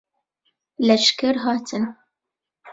Leşker hatin.